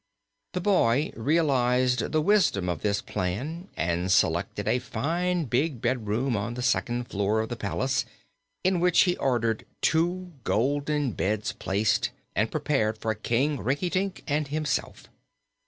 The boy realized the wisdom of this plan, and selected a fine big bedroom on the second floor of the palace, in which he ordered two golden beds placed and prepared for King Rinkitink and himself.